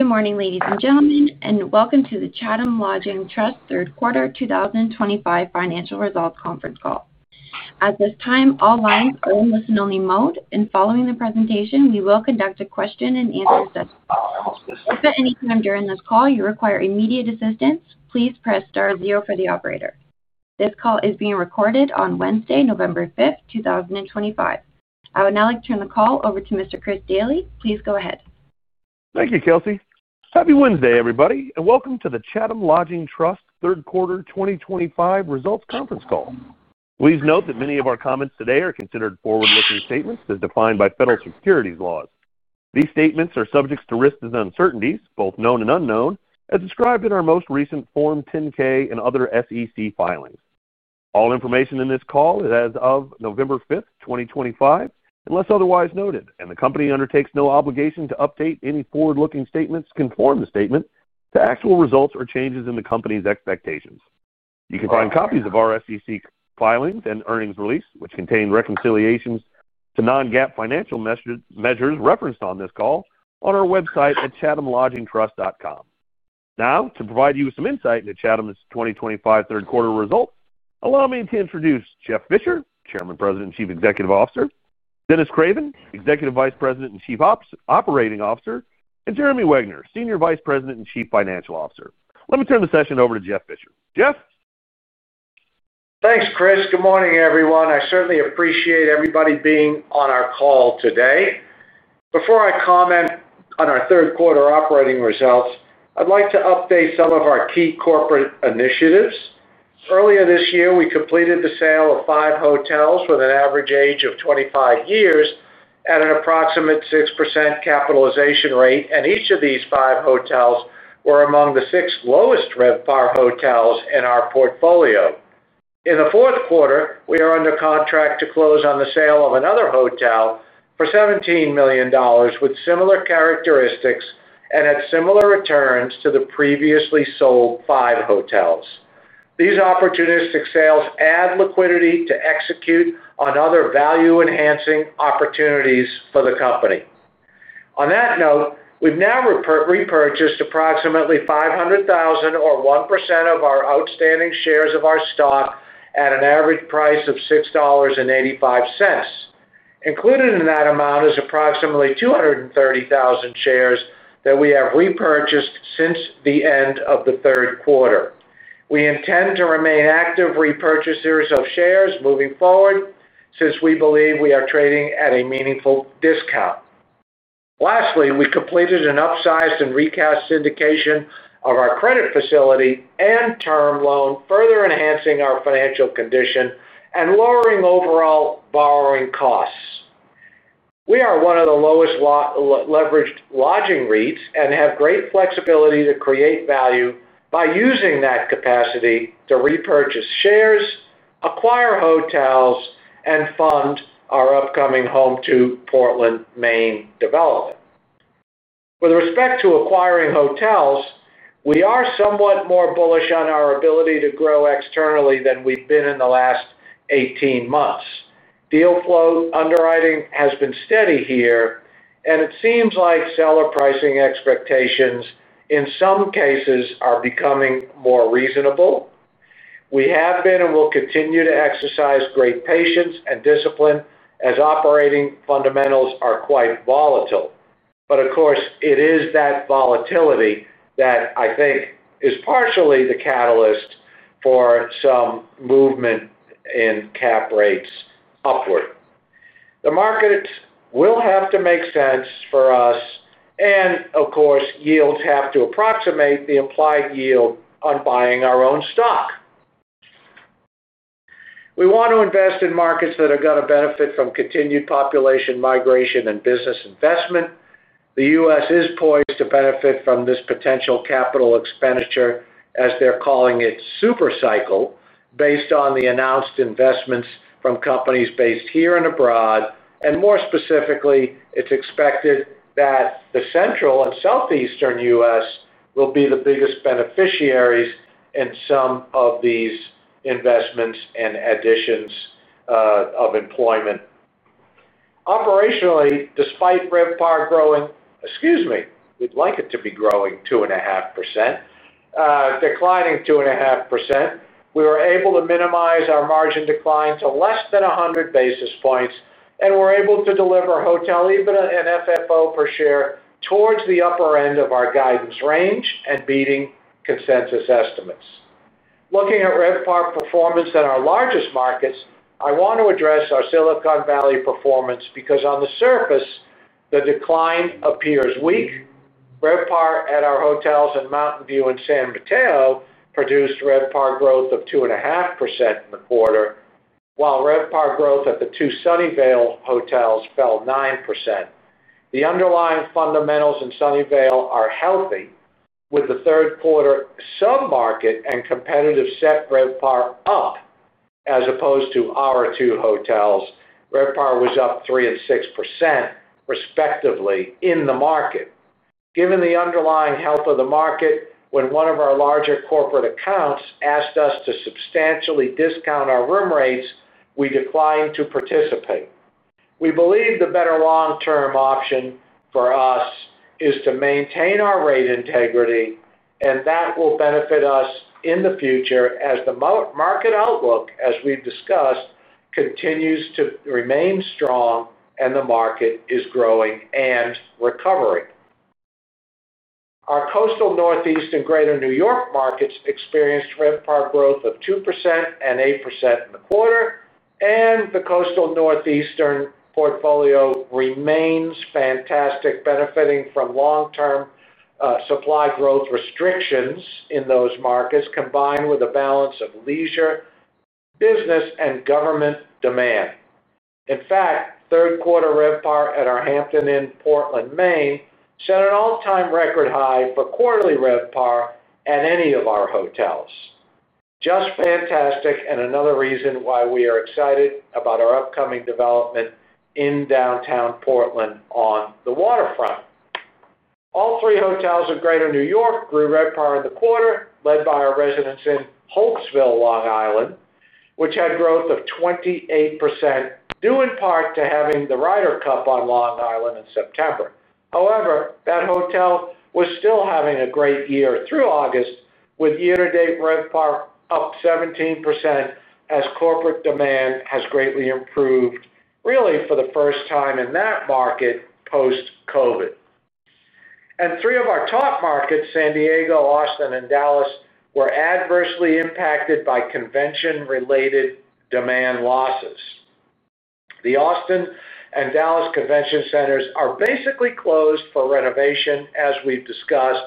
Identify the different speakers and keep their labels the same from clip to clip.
Speaker 1: Good morning, ladies and gentlemen, and welcome to the Chatham Lodging Trust Third Quarter 2025 Financial Results Conference Call. At this time, all lines are in listen-only mode, and following the presentation, we will conduct a question-and-answer session. If at any time during this call you require immediate assistance, please press star zero for the operator. This call is being recorded on Wednesday, November 5th, 2025. I would now like to turn the call over to Mr. Chris Daly. Please go ahead.
Speaker 2: Thank you, Kelsey. Happy Wednesday, everybody, and welcome to the Chatham Lodging Trust Third Quarter 2025 Results Conference Call. Please note that many of our comments today are considered forward-looking statements as defined by federal securities laws. These statements are subject to risks and uncertainties, both known and unknown, as described in our most recent Form 10-K and other SEC filings. All information in this call is as of November 5th, 2025, unless otherwise noted, and the company undertakes no obligation to update any forward-looking statements conforming the statement to actual results or changes in the company's expectations. You can find copies of our SEC filings and earnings release, which contain reconciliations to non-GAAP financial measures referenced on this call, on our website at chathamlodgingtrust.com. Now, to provide you with some insight into Chatham's 2025 third quarter results, allow me to introduce Jeff Fisher, Chairman, President, and Chief Executive Officer, Dennis Craven, Executive Vice President and Chief Operating Officer, and Jeremy Wegner, Senior Vice President and Chief Financial Officer. Let me turn the session over to Jeff Fisher. Jeff?
Speaker 3: Thanks, Chris. Good morning, everyone. I certainly appreciate everybody being on our call today. Before I comment on our third quarter operating results, I'd like to update some of our key corporate initiatives. Earlier this year, we completed the sale of five hotels with an average age of 25 years at an approximate 6% capitalization rate, and each of these five hotels were among the six lowest RevPAR hotels in our portfolio. In the fourth quarter, we are under contract to close on the sale of another hotel for $17 million with similar characteristics and at similar returns to the previously sold five hotels. These opportunistic sales add liquidity to execute on other value-enhancing opportunities for the company. On that note, we've now repurchased approximately 500,000 or 1% of our outstanding shares of our stock at an average price of $6.85. Included in that amount is approximately 230,000 shares that we have repurchased since the end of the third quarter. We intend to remain active repurchasers of shares moving forward since we believe we are trading at a meaningful discount. Lastly, we completed an upsized and recast syndication of our credit facility and term loan, further enhancing our financial condition and lowering overall borrowing costs. We are one of the lowest leveraged lodging REITs and have great flexibility to create value by using that capacity to repurchase shares, acquire hotels, and fund our upcoming Home2 Portland, Maine development. With respect to acquiring hotels, we are somewhat more bullish on our ability to grow externally than we've been in the last 18 months. Deal flow underwriting has been steady here, and it seems like seller pricing expectations in some cases are becoming more reasonable. We have been and will continue to exercise great patience and discipline as operating fundamentals are quite volatile. Of course, it is that volatility that I think is partially the catalyst for some movement in cap rates upward. The markets will have to make sense for us. Of course, yields have to approximate the implied yield on buying our own stock. We want to invest in markets that are going to benefit from continued population migration and business investment. The U.S. is poised to benefit from this potential capital expenditure, as they're calling it super cycle, based on the announced investments from companies based here and abroad. More specifically, it is expected that the Central and Southeastern U.S. will be the biggest beneficiaries in some of these investments and additions of employment. Operationally, despite RevPAR growing—excuse me, we'd like it to be growing 2.5%. Declining 2.5%, we were able to minimize our margin decline to less than 100 basis points, and we were able to deliver hotel EBITDA and FFO per share towards the upper end of our guidance range and beating consensus estimates. Looking at RevPAR performance in our largest markets, I want to address our Silicon Valley performance because, on the surface, the decline appears weak. RevPAR at our hotels in Mountain View and San Mateo produced RevPAR growth of 2.5% in the quarter, while RevPAR growth at the two Sunnyvale hotels fell 9%. The underlying fundamentals in Sunnyvale are healthy, with the third quarter sub-market and competitive set RevPAR up as opposed to our two hotels. RevPAR was up 3% and 6%, respectively, in the market. Given the underlying health of the market, when one of our larger corporate accounts asked us to substantially discount our room rates, we declined to participate. We believe the better long-term option for us is to maintain our rate integrity, and that will benefit us in the future as the market outlook, as we've discussed, continues to remain strong and the market is growing and recovering. Our coastal Northeast and Greater New York markets experienced RevPAR growth of 2% and 8% in the quarter, and the coastal Northeastern portfolio remains fantastic, benefiting from long-term supply growth restrictions in those markets combined with a balance of leisure, business, and government demand. In fact, third quarter RevPAR at our Hampton Inn Portland, Maine, set an all-time record high for quarterly RevPAR at any of our hotels. Just fantastic, and another reason why we are excited about our upcoming development in downtown Portland on the waterfront. All three hotels in Greater New York grew RevPAR in the quarter, led by our Residence Inn Holtsville, Long Island, which had growth of 28%, due in part to having the Ryder Cup on Long Island in September. However, that hotel was still having a great year through August, with year-to-date RevPAR up 17% as corporate demand has greatly improved, really for the first time in that market post-COVID. Three of our top markets, San Diego, Austin, and Dallas, were adversely impacted by convention-related demand losses. The Austin and Dallas convention centers are basically closed for renovation, as we've discussed,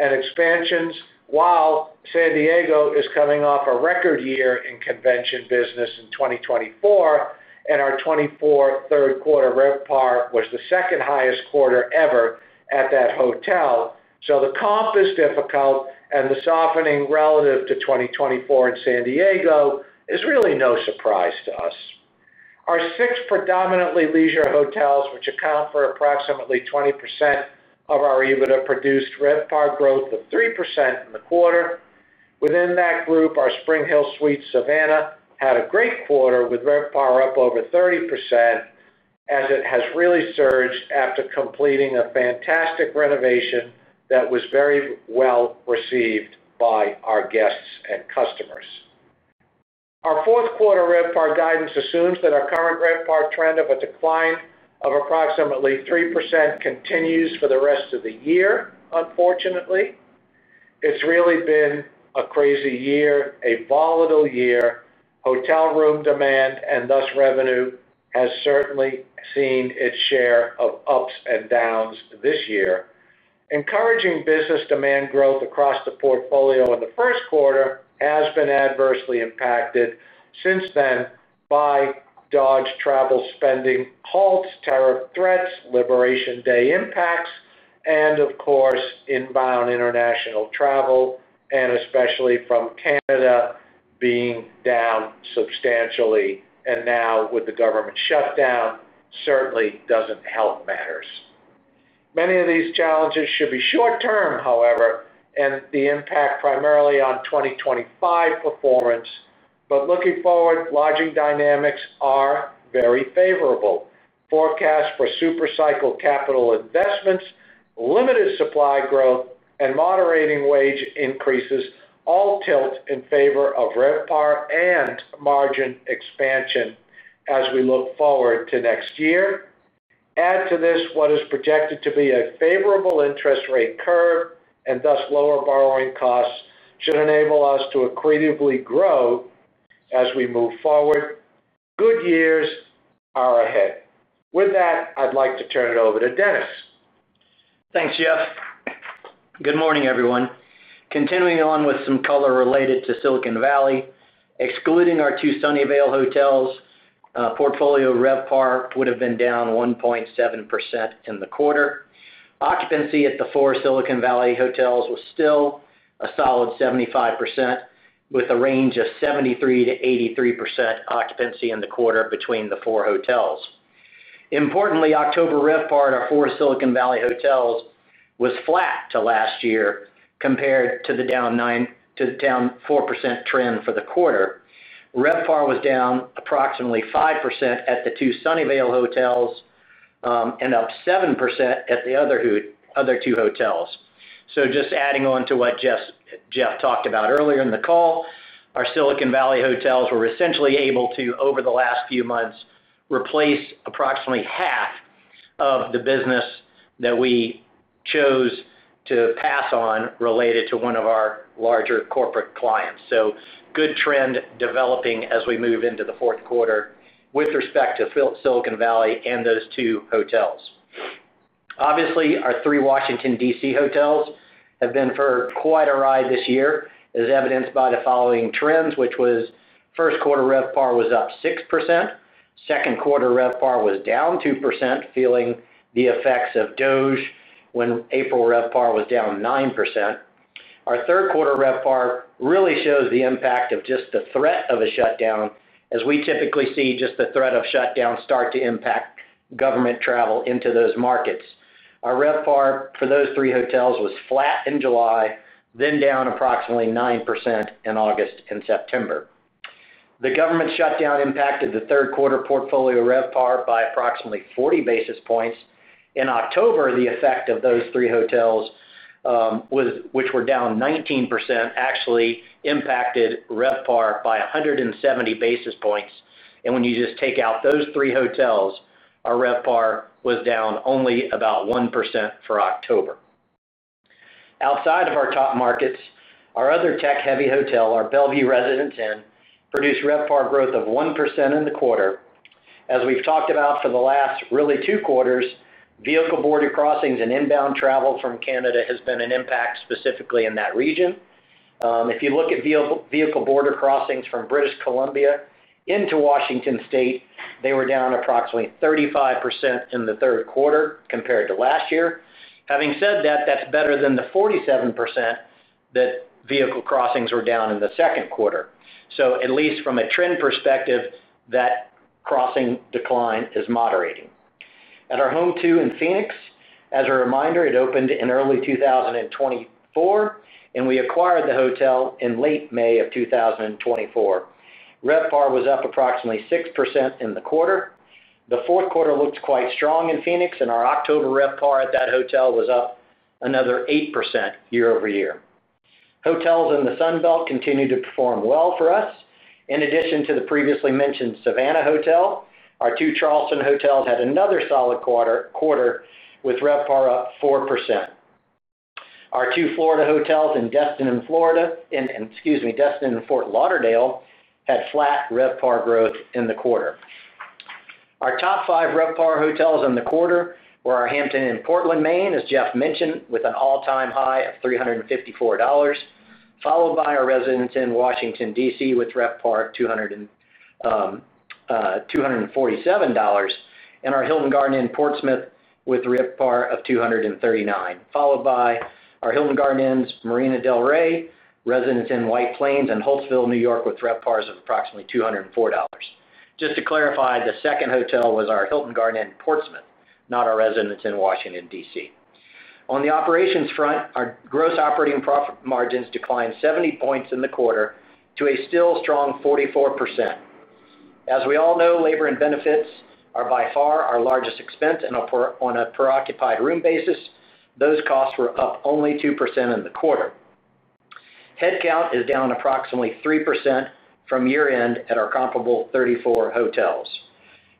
Speaker 3: and expansions, while San Diego is coming off a record year in convention business in 2024, and our 2024 third quarter RevPARwas the second highest quarter ever at that hotel. The comp is difficult, and the softening relative to 2024 in San Diego is really no surprise to us. Our six predominantly leisure hotels, which account for approximately 20% of our EBITDA, produced RevPAR growth of 3% in the quarter. Within that group, our SpringHill Suites Savannah had a great quarter with RevPAR up over 30%, as it has really surged after completing a fantastic renovation that was very well received by our guests and customers. Our fourth quarter RevPAR guidance assumes that our current RevPAR trend of a decline of approximately 3% continues for the rest of the year, unfortunately. It has really been a crazy year, a volatile year. Hotel room demand and thus revenue has certainly seen its share of ups and downs this year. Encouraging business demand growth across the portfolio in the first quarter has been adversely impacted since then by DOGE travel spending halts, tariff threats, Liberation Day impacts, and of course, inbound international travel, and especially from Canada being down substantially. Now, with the government shutdown, certainly doesn't help matters. Many of these challenges should be short-term, however, and the impact primarily on 2025 performance. Looking forward, lodging dynamics are very favorable. Forecasts for super cycle capital investments, limited supply growth, and moderating wage increases all tilt in favor of RevPAR and margin expansion as we look forward to next year. Add to this what is projected to be a favorable interest rate curve, and thus lower borrowing costs should enable us to accretively grow as we move forward. Good years are ahead. With that, I'd like to turn it over to Dennis.
Speaker 4: Thanks, Jeff. Good morning, everyone. Continuing on with some color related to Silicon Valley, excluding our two Sunnyvale hotels, portfolio RevPAR would have been down 1.7% in the quarter. Occupancy at the four Silicon Valley hotels was still a solid 75%, with a range of 73%-83% occupancy in the quarter between the four hotels. Importantly, October RevPAR at our four Silicon Valley hotels was flat to last year compared to the down 4% trend for the quarter. RevPAR was down approximately 5% at the two Sunnyvale hotels and up 7% at the other two hotels. Just adding on to what Jeff talked about earlier in the call, our Silicon Valley hotels were essentially able to, over the last few months, replace approximately half of the business that we chose to pass on related to one of our larger corporate clients. Good trend developing as we move into the fourth quarter with respect to Silicon Valley and those two hotels. Obviously, our three Washington, D.C. hotels have been for quite a ride this year, as evidenced by the following trends, which was first quarter RevPAR was up 6%. Second quarter RevPAR was down 2%, feeling the effects of D.C. when April RevPAR was down 9%. Our third quarter RevPAR really shows the impact of just the threat of a shutdown, as we typically see just the threat of shutdown start to impact government travel into those markets. Our RevPAR for those three hotels was flat in July, then down approximately 9% in August and September. The government shutdown impacted the third quarter portfolio RevPAR by approximately 40 basis points. In October, the effect of those three hotels, which were down 19%, actually impacted RevPAR by 170 basis points. When you just take out those three hotels, our RevPAR was down only about 1% for October. Outside of our top markets, our other tech-heavy hotel, our Bellevue Residence Inn, produced RevPAR growth of 1% in the quarter. As we've talked about for the last really two quarters, vehicle border crossings and inbound travel from Canada has been an impact specifically in that region. If you look at vehicle border crossings from British Columbia into Washington State, they were down approximately 35% in the third quarter compared to last year. Having said that, that's better than the 47% that vehicle crossings were down in the second quarter. At least from a trend perspective, that crossing decline is moderating. At our Home2 in Phoenix, as a reminder, it opened in early 2024, and we acquired the hotel in late May of 2024. RevPAR was up approximately 6% in the quarter. The fourth quarter looks quite strong in Phoenix, and our October RevPAR at that hotel was up another 8% year over year. Hotels in the Sunbelt continued to perform well for us. In addition to the previously mentioned Savannah Hotel, our two Charleston hotels had another solid quarter with RevPAR up 4%. Our two Florida hotels in Destin and Fort Lauderdale had flat RevPAR growth in the quarter. Our top five RevPAR hotels in the quarter were our Hampton Inn Portland, Maine, as Jeff mentioned, with an all-time high of $354. Followed by our Residence Inn Washington, D.C., with RevPAR of $247. And our Hilton Garden Inn Portsmouth with RevPAR of $239. Followed by our Hilton Garden Inn Marina del Rey, Residence Inn White Plains in Holtsville, New York, with RevPAR of approximately $204. Just to clarify, the second hotel was our Hilton Garden Inn Portsmouth, not our Residence Inn Washington, D.C. On the operations front, our gross operating profit margins declined 70 basis points in the quarter to a still strong 44%. As we all know, labor and benefits are by far our largest expense, and on a per-occupied room basis, those costs were up only 2% in the quarter. Headcount is down approximately 3% from year-end at our comparable 34 hotels.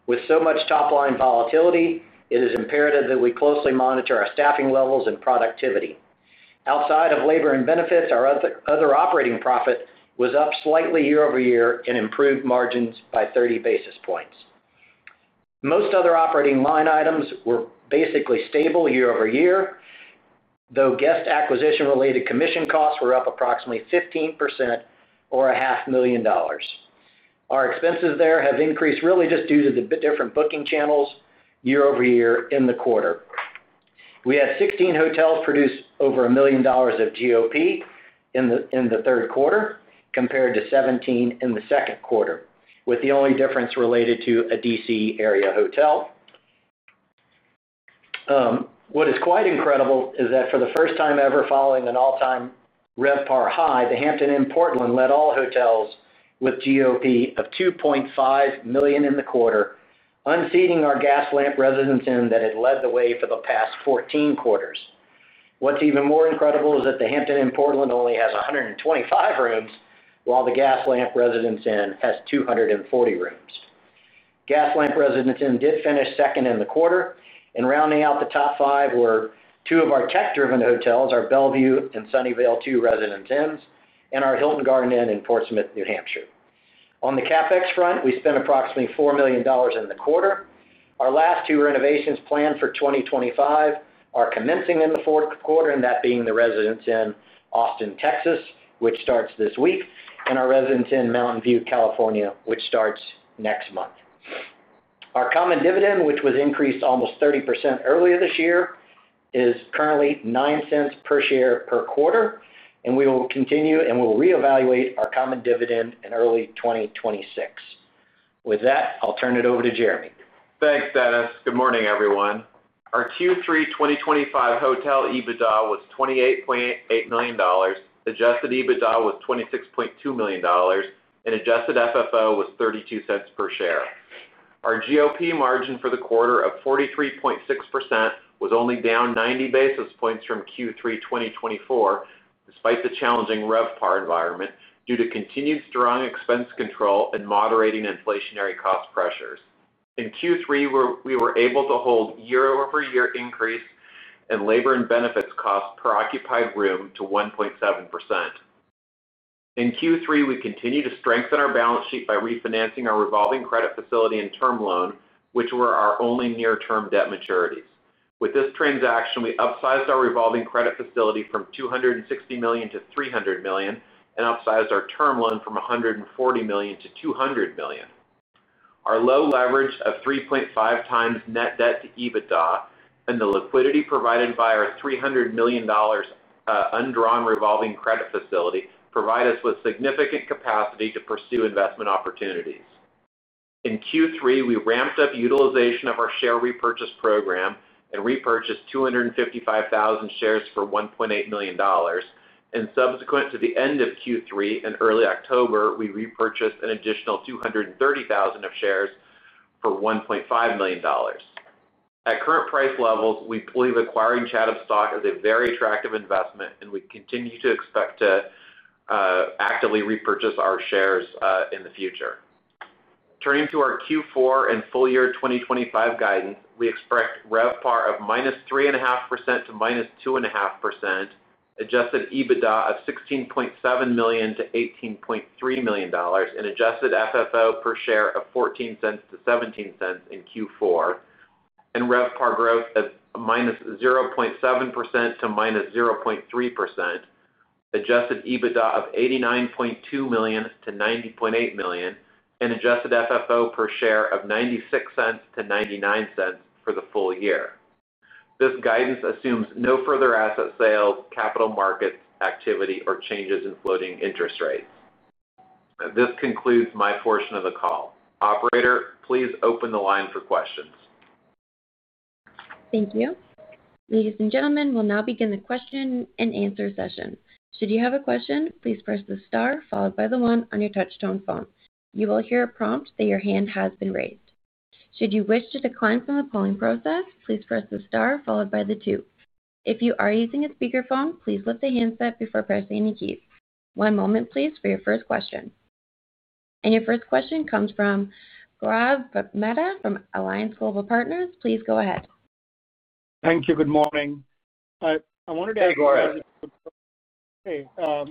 Speaker 4: With so much top-line volatility, it is imperative that we closely monitor our staffing levels and productivity. Outside of labor and benefits, our other operating profit was up slightly year over year and improved margins by 30 basis points. Most other operating line items were basically stable year over year, though guest acquisition-related commission costs were up approximately 15% or $500,000. Our expenses there have increased really just due to the different booking channels year over year in the quarter. We had 16 hotels produce over $1 million of GOP in the third quarter compared to 17 in the second quarter, with the only difference related to a D.C. area hotel. What is quite incredible is that for the first time ever following an all-time RevPAR high, the Hampton Inn Portland led all hotels with GOP of $2.5 million in the quarter, unseating our Gaslamp Residence Inn that had led the way for the past 14 quarters. What's even more incredible is that the Hampton Inn Portland only has 125 rooms, while the Gaslamp Residence Inn has 240 rooms. Gaslamp Residence Inn did finish second in the quarter, and rounding out the top five were two of our tech-driven hotels, our Bellevue and Sunnyvale 2 Residence Inns, and our Hilton Garden Inn in Portsmouth, New Hampshire. On the CapEx front, we spent approximately $4 million in the quarter. Our last two renovations planned for 2025 are commencing in the fourth quarter, and that being the Residence Inn Austin, Texas, which starts this week, and our Residence Inn Mountain View, California, which starts next month. Our common dividend, which was increased almost 30% earlier this year, is currently $0.09 per share per quarter, and we will continue and we'll reevaluate our common dividend in early 2026. With that, I'll turn it over to Jeremy.
Speaker 5: Thanks, Dennis. Good morning, everyone. Our Q3 2025 hotel EBITDA was $28.8 million. Adjusted EBITDA was $26.2 million, and adjusted FFO was $0.32 per share. Our GOP margin for the quarter of 43.6% was only down 90 basis points from Q3 2024, despite the challenging RevPAR environment due to continued strong expense control and moderating inflationary cost pressures. In Q3, we were able to hold year-over-year increase in labor and benefits cost per occupied room to 1.7%. In Q3, we continued to strengthen our balance sheet by refinancing our revolving credit facility and term loan, which were our only near-term debt maturities. With this transaction, we upsized our revolving credit facility from $260 million to $300 million and upsized our term loan from $140 million-$200 million. Our low leverage of 3.5 times net debt to EBITDA and the liquidity provided by our $300 million. Undrawn revolving credit facility provide us with significant capacity to pursue investment opportunities. In Q3, we ramped up utilization of our share repurchase program and repurchased 255,000 shares for $1.8 million. Subsequent to the end of Q3 and early October, we repurchased an additional 230,000 shares for $1.5 million. At current price levels, we believe acquiring Chatham stock is a very attractive investment, and we continue to expect to actively repurchase our shares in the future. Turning to our Q4 and full year 2025 guidance, we expect RevPAR of -3.5% to -2.5%, adjusted EBITDA of $16.7 million-$18.3 million, and adjusted FFO per share of $0.14-$0.17 in Q4. RevPAR growth of -0.7% to -0.3%, adjusted EBITDA of $89.2 million-$90.8 million, and adjusted FFO per share of $0.96-$0.99 for the full year. This guidance assumes no further asset sales, capital markets activity, or changes in floating interest rates. This concludes my portion of the call. Operator, please open the line for questions.
Speaker 1: Thank you. Ladies and gentlemen, we'll now begin the question-and-answer session. Should you have a question, please press the star followed by the one on your touchstone phone. You will hear a prompt that your hand has been raised. Should you wish to decline from the polling process, please press the star followed by the two. If you are using a speakerphone, please lift the handset before pressing any keys. One moment, please, for your first question. Your first question comes from Gaurav Mehta from Alliance Global Partners. Please go ahead.
Speaker 6: Thank you. Good morning. I wanted to ask you.
Speaker 3: Hey, Gaurav.
Speaker 6: Hey. I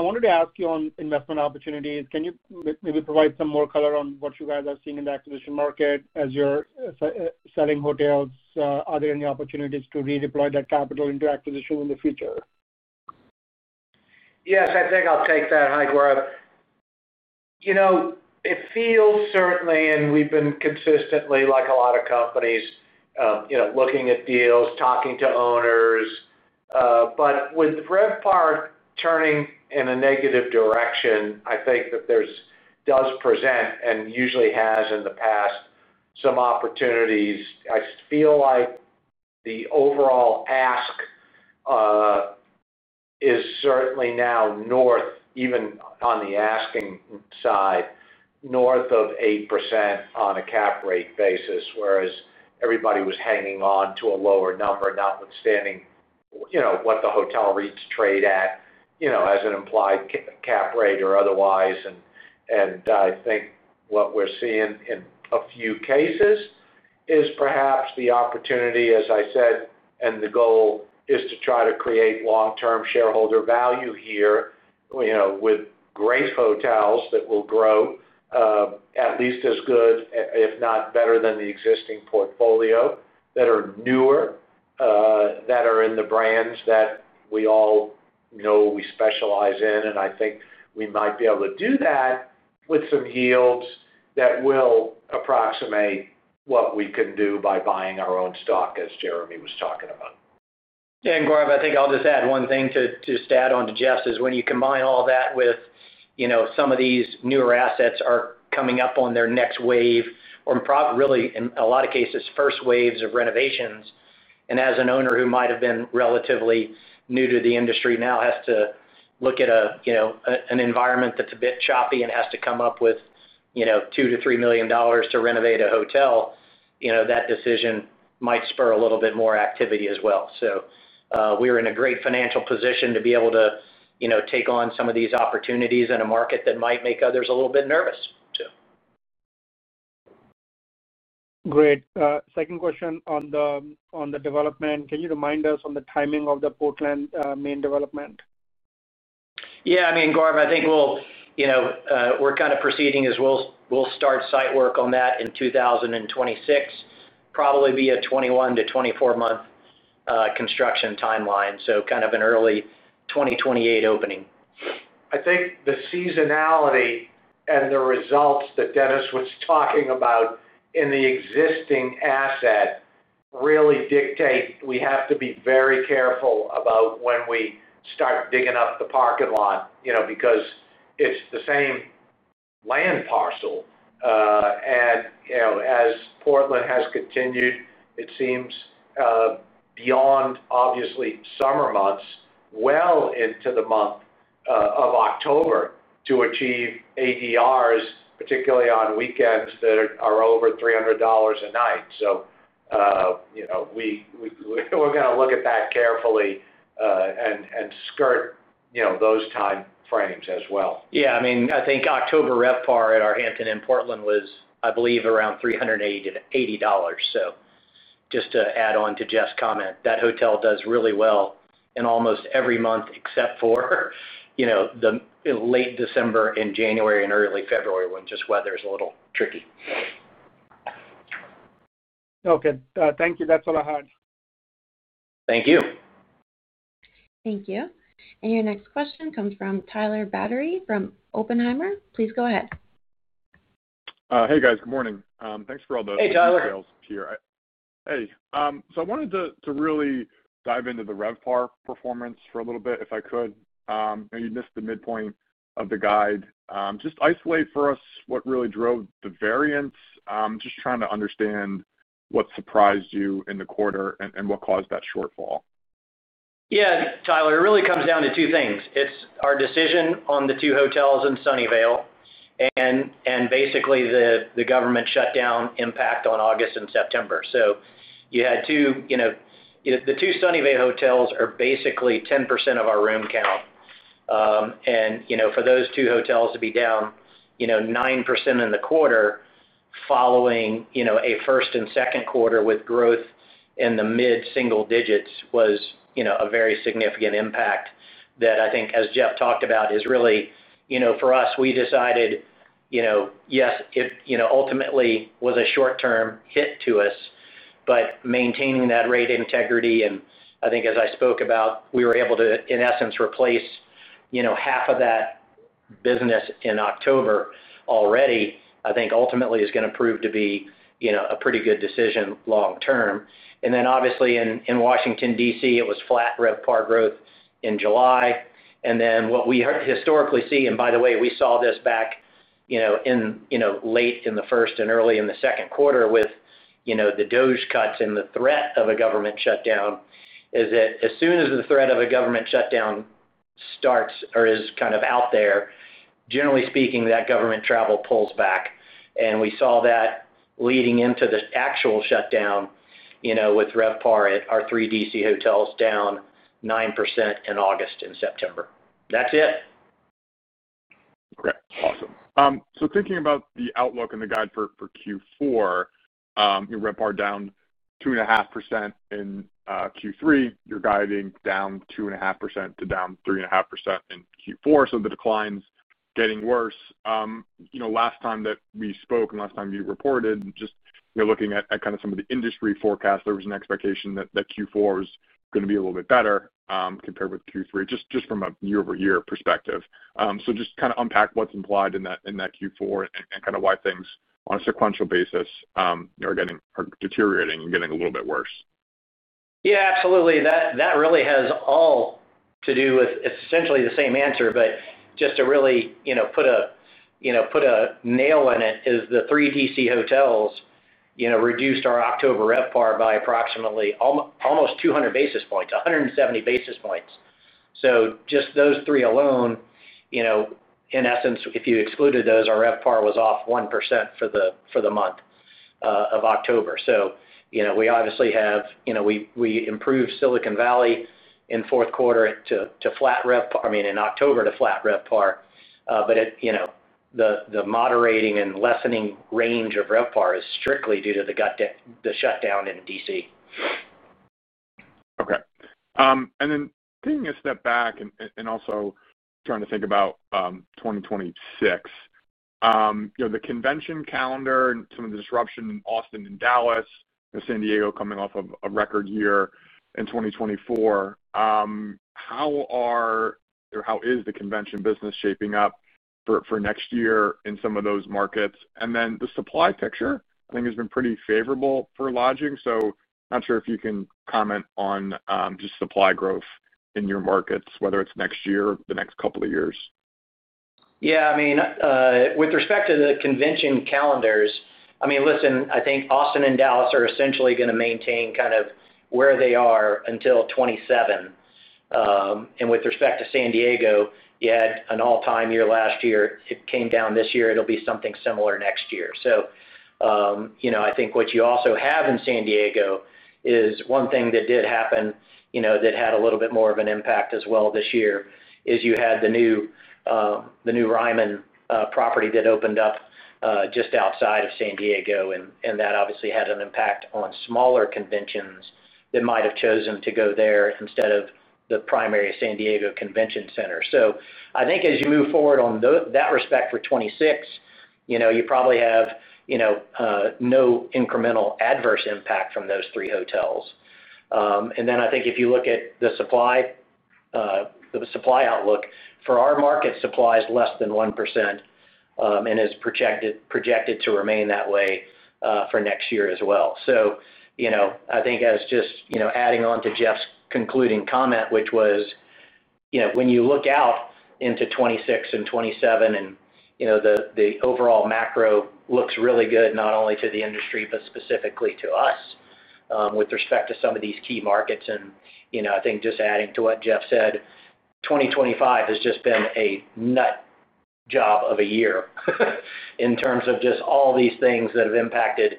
Speaker 6: wanted to ask you on investment opportunities. Can you maybe provide some more color on what you guys are seeing in the acquisition market as you're selling hotels? Are there any opportunities to redeploy that capital into acquisition in the future?
Speaker 3: Yes, I think I'll take that, Hey, Gaurav. It feels certainly, and we've been consistently, like a lot of companies, looking at deals, talking to owners. With RevPAR turning in a negative direction, I think that there does present, and usually has in the past, some opportunities. I feel like the overall ask is certainly now north, even on the asking side, north of 8% on a cap rate basis, whereas everybody was hanging on to a lower number, notwithstanding what the hotel rates trade at as an implied cap rate or otherwise. I think what we're seeing in a few cases is perhaps the opportunity, as I said, and the goal is to try to create long-term shareholder value here with great hotels that will grow. At least as good, if not better than the existing portfolio, that are newer. That are in the brands that we all know we specialize in. I think we might be able to do that with some yields that will approximate what we can do by buying our own stock, as Jeremy was talking about.
Speaker 4: Gora, I think I'll just add one thing to just add on to Jeff's is when you combine all that with some of these newer assets are coming up on their next wave or probably really, in a lot of cases, first waves of renovations. As an owner who might have been relatively new to the industry now has to look at an environment that's a bit choppy and has to come up with $2 million-$3 million to renovate a hotel, that decision might spur a little bit more activity as well. We're in a great financial position to be able to take on some of these opportunities in a market that might make others a little bit nervous, too.
Speaker 6: Great. Second question on the development. Can you remind us on the timing of the Portland, Maine development?
Speaker 4: Yeah. I mean, Gaurav, I think we'll— We're kind of proceeding as we'll start site work on that in 2026, probably be a 21-24 month construction timeline, so kind of an early 2028 opening.
Speaker 3: I think the seasonality and the results that Dennis was talking about in the existing asset really dictate we have to be very careful about when we start digging up the parking lot because it's the same land parcel. And as Portland has continued, it seems beyond, obviously, summer months, well into the month of October to achieve ADRs, particularly on weekends that are over $300 a night. So. We're going to look at that carefully. And skirt those time frames as well.
Speaker 4: Yeah. I mean, I think October RevPAR at our Hampton Inn Portland was, I believe, around $380. So, just to add on to Jeff's comment, that hotel does really well in almost every month except for the late December and January and early February when just weather is a little tricky.
Speaker 6: Okay. Thank you. That's all I had.
Speaker 4: Thank you.
Speaker 1: Thank you. Your next question comes from Tyler Batory from Oppenheimer. Please go ahead.
Speaker 7: Hey, guys. Good morning. Thanks for all the—
Speaker 3: Hey, Tyler.
Speaker 7: Sales here. Hey. I wanted to really dive into the RevPAR performance for a little bit if I could. You missed the midpoint of the guide. Just isolate for us what really drove the variance, just trying to understand what surprised you in the quarter and what caused that shortfall.
Speaker 4: Yeah, Tyler. It really comes down to two things. It's our decision on the two hotels in Sunnyvale and basically the government shutdown impact on August and September. You had two—the two Sunnyvale hotels are basically 10% of our room count. For those two hotels to be down 9% in the quarter following a first and second quarter with growth in the mid-single digits was a very significant impact that I think, as Jeff talked about, is really for us, we decided, yes, it ultimately was a short-term hit to us, but maintaining that rate integrity. I think, as I spoke about, we were able to, in essence, replace half of that business in October already. I think ultimately it is going to prove to be a pretty good decision long-term. Obviously, in Washington, D.C., it was flat RevPAR growth in July. What we historically see, and by the way, we saw this back in late in the first and early in the second quarter with the DOGE cuts and the threat of a government shutdown, is that as soon as the threat of a government shutdown starts or is kind of out there, generally speaking, that government travel pulls back. We saw that leading into the actual shutdown, with RevPAR at our three D.C. hotels down 9% in August and September. That's it.
Speaker 7: Okay. Awesome. Thinking about the outlook and the guide for Q4, RevPAR down 2.5% in Q3, you're guiding down 2.5%-3.5% in Q4. The decline's getting worse. Last time that we spoke and last time you reported, just looking at kind of some of the industry forecasts, there was an expectation that Q4 was going to be a little bit better compared with Q3, just from a year-over-year perspective. Just kind of unpack what's implied in that Q4 and kind of why things, on a sequential basis, are deteriorating and getting a little bit worse.
Speaker 4: Yeah, absolutely. That really has all to do with essentially the same answer, but just to really put a nail in it is the three D.C. hotels. Reduced our October RevPAR by approximately almost 200 basis points, 170 basis points. So just those three alone. In essence, if you excluded those, our RevPAR was off 1% for the month of October. We obviously have. We improved Silicon Valley in fourth quarter to flat RevPAR, I mean, in October to flat RevPAR. The moderating and lessening range of RevPAR is strictly due to the shutdown in D.C.
Speaker 7: Okay. And then taking a step back and also trying to think about 2026. The convention calendar and some of the disruption in Austin and Dallas, San Diego coming off of a record year in 2024. How is the convention business shaping up for next year in some of those markets? And then the supply picture, I think, has been pretty favorable for lodging. So I'm not sure if you can comment on just supply growth in your markets, whether it's next year or the next couple of years.
Speaker 4: Yeah. I mean, with respect to the convention calendars, I mean, listen, I think Austin and Dallas are essentially going to maintain kind of where they are until 2027. And with respect to San Diego, you had an all-time year last year. It came down this year. It will be something similar next year. I think what you also have in San Diego is one thing that did happen that had a little bit more of an impact as well this year is you had the new Ryman property that opened up just outside of San Diego. That obviously had an impact on smaller conventions that might have chosen to go there instead of the primary San Diego convention center. I think as you move forward on that respect for 2026, you probably have no incremental adverse impact from those three hotels. I think if you look at the supply outlook for our market, supply is less than 1% and is projected to remain that way for next year as well. I think, just adding on to Jeff's concluding comment, which was, when you look out into 2026 and 2027, the overall macro looks really good, not only to the industry, but specifically to us with respect to some of these key markets. I think, just adding to what Jeff said, 2025 has just been a nut job of a year in terms of just all these things that have impacted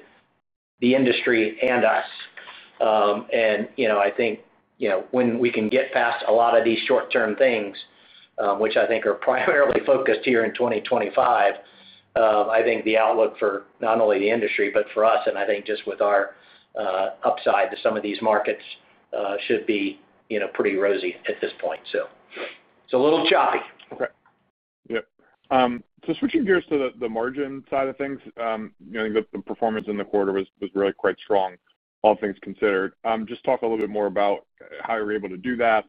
Speaker 4: the industry and us. I think when we can get past a lot of these short-term things, which I think are primarily focused here in 2025, the outlook for not only the industry, but for us, and I think just with our upside to some of these markets should be pretty rosy at this point. It's a little choppy.
Speaker 7: Okay. Yeah. Switching gears to the margin side of things, I think that the performance in the quarter was really quite strong, all things considered. Just talk a little bit more about how you were able to do that.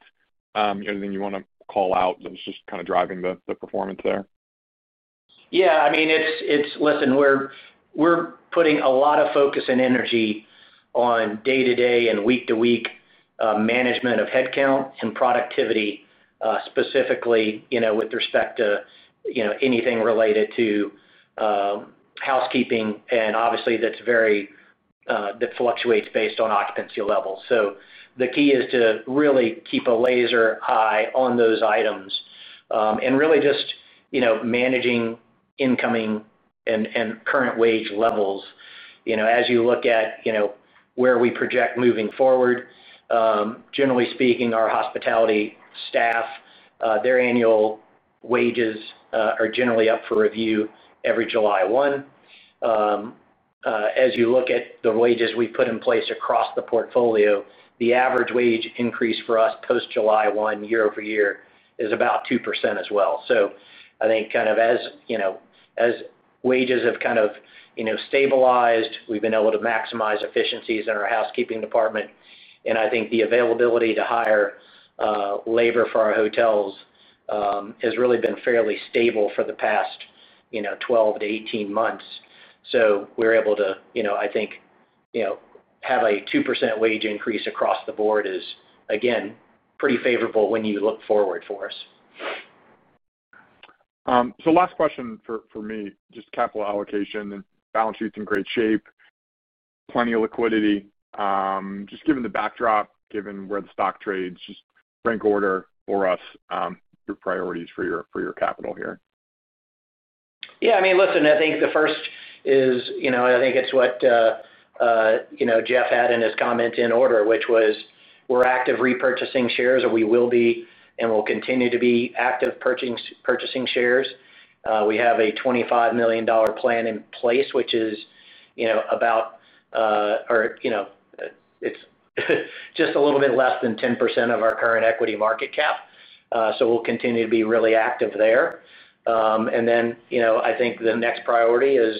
Speaker 7: Anything you want to call out that was just kind of driving the performance there?
Speaker 4: Yeah. I mean, listen, we're putting a lot of focus and energy on day-to-day and week-to-week management of headcount and productivity, specifically with respect to anything related to housekeeping. And obviously, that fluctuates based on occupancy levels. The key is to really keep a laser eye on those items and really just managing incoming and current wage levels. As you look at where we project moving forward, generally speaking, our hospitality staff, their annual wages are generally up for review every July 1st. As you look at the wages we've put in place across the portfolio, the average wage increase for us post-July 1st year over year is about 2% as well. I think kind of as wages have kind of stabilized, we've been able to maximize efficiencies in our housekeeping department. I think the availability to hire labor for our hotels has really been fairly stable for the past 12-18 months. So we're able to, I think, have a 2% wage increase across the board is, again, pretty favorable when you look forward for us.
Speaker 7: Last question for me, just capital allocation and balance sheet's in great shape, plenty of liquidity. Just given the backdrop, given where the stock trades, just rank order for us your priorities for your capital here.
Speaker 4: Yeah. I mean, listen, I think the first is, I think it is what Jeff had in his comment in order, which was we are active repurchasing shares, or we will be and will continue to be active purchasing shares. We have a $25 million plan in place, which is about, or, it is just a little bit less than 10% of our current equity market cap. We will continue to be really active there. I think the next priority is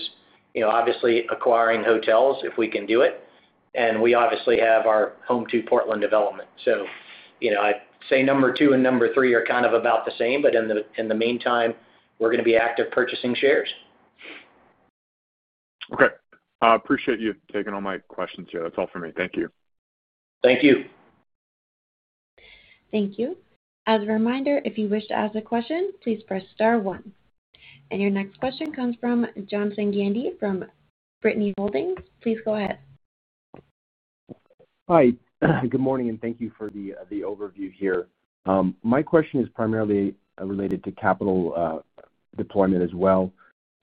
Speaker 4: obviously acquiring hotels if we can do it. We obviously have our Home2 Portland development. I would say number two and number three are kind of about the same, but in the meantime, we are going to be active purchasing shares.
Speaker 7: Okay. Appreciate you taking all my questions, Jeff. That's all for me. Thank you.
Speaker 4: Thank you.
Speaker 1: Thank you. As a reminder, if you wish to ask a question, please press star one. Your next question comes from Johnson Gandy from Brittany Holdings. Please go ahead. Hi. Good morning and thank you for the overview here. My question is primarily related to capital deployment as well.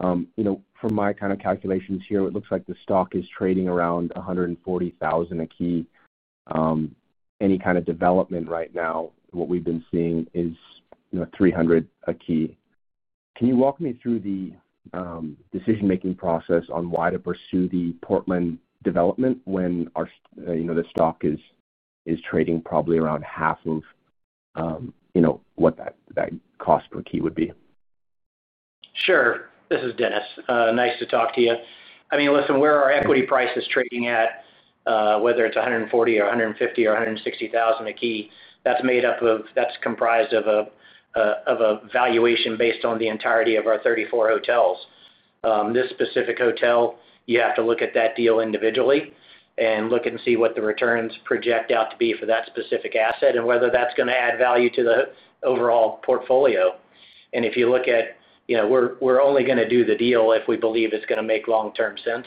Speaker 1: From my kind of calculations here, it looks like the stock is trading around $140,000 a key. Any kind of development right now, what we've been seeing is $300,000 a key. Can you walk me through the decision-making process on why to pursue the Portland development when the stock is trading probably around half of what that cost per key would be?
Speaker 4: Sure. This is Dennis. Nice to talk to you. I mean, listen, where our equity price is trading at. Whether it is $140,000 or $150,000 or $160,000 a key, that is comprised of a valuation based on the entirety of our 34 hotels. This specific hotel, you have to look at that deal individually and look and see what the returns project out to be for that specific asset and whether that is going to add value to the overall portfolio. If you look at it, we are only going to do the deal if we believe it is going to make long-term sense.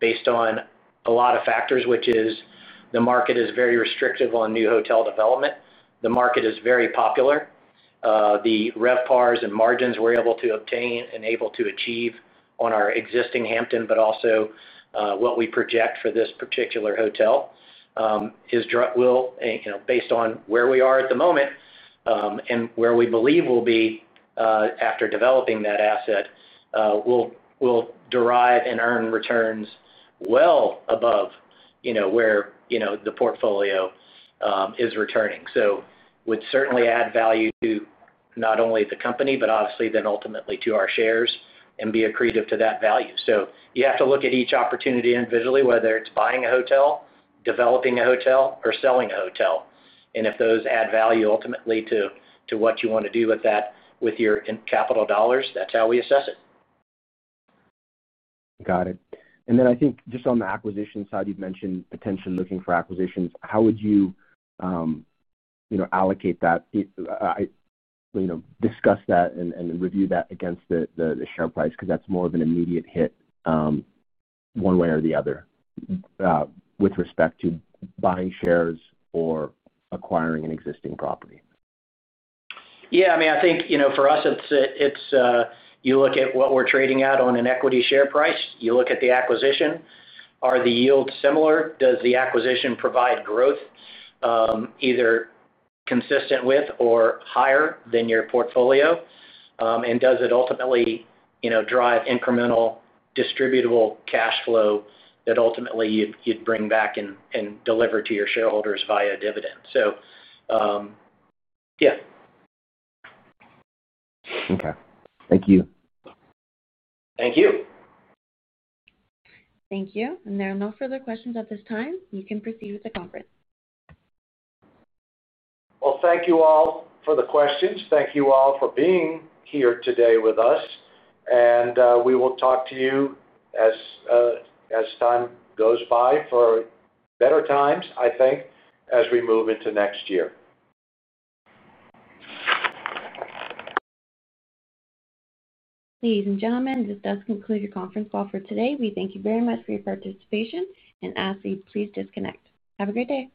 Speaker 4: Based on a lot of factors, which is the market is very restrictive on new hotel development, the market is very popular, the RevPARs and margins we are able to obtain and able to achieve on our existing Hampton, but also what we project for this particular hotel. Based on where we are at the moment, and where we believe we'll be after developing that asset, we'll derive and earn returns well above where the portfolio is returning. It would certainly add value to not only the company, but obviously then ultimately to our shares and be accretive to that value. You have to look at each opportunity individually, whether it's buying a hotel, developing a hotel, or selling a hotel. If those add value ultimately to what you want to do with your capital dollars, that's how we assess it. Got it. I think just on the acquisition side, you've mentioned potentially looking for acquisitions. How would you allocate that? Discuss that and review that against the share price because that's more of an immediate hit one way or the other with respect to buying shares or acquiring an existing property. Yeah. I mean, I think for us, it's, you look at what we're trading at on an equity share price. You look at the acquisition. Are the yields similar? Does the acquisition provide growth, either consistent with or higher than your portfolio? And does it ultimately drive incremental distributable cash flow that ultimately you'd bring back and deliver to your shareholders via dividends? So. Yeah. Okay. Thank you. Thank you.
Speaker 1: Thank you. There are no further questions at this time. You can proceed with the conference.
Speaker 3: Thank you all for the questions. Thank you all for being here today with us. We will talk to you as time goes by for better times, I think, as we move into next year.
Speaker 1: Ladies and gentlemen, this does conclude your conference call for today. We thank you very much for your participation. We ask that you please disconnect. Have a great day.